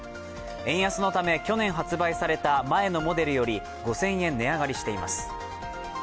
円安のため去年発売された前のモデルより５０００円値上がりしています。